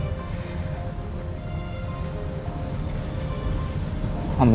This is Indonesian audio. gak ada situasi kayak gini